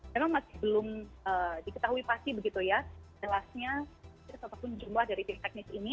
memang masih belum diketahui pasti begitu ya jelasnya ataupun jumlah dari tim teknis ini